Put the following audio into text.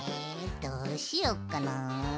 どうしよっかなあ。